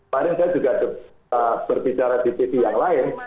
paling saya juga berbicara di tv yang lain